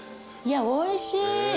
いやおいしい。